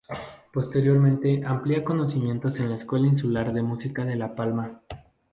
Posteriormente amplía conocimientos en la Escuela Insular de Música de La Palma.